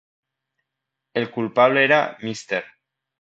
El culpable era Mr.